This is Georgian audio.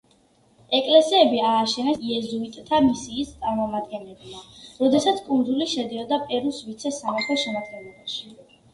ეკლესიები ააშენეს იეზუიტთა მისიის წარმომადგენლებმა, როდესაც კუნძული შედიოდა პერუს ვიცე-სამეფოს შემადგენლობაში.